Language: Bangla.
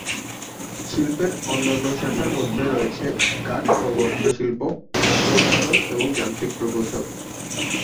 শিল্পের অন্যান্য শাখার মধ্যে রয়েছে কাঠ ও বস্ত্র শিল্প, খাদ্য উৎপাদন এবং যান্ত্রিক প্রকৌশল।